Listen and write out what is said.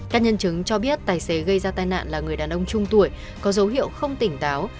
các nhân chứng cho biết tài xế gây ra tai nạn là người đàn ông trung tuổi có dấu hiệu không tỉnh táo